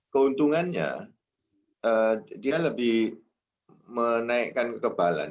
keuntungannya dia lebih menaikkan kekebalan